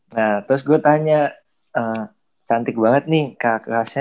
nah terus gue tanya cantik banget nih kak kelasnya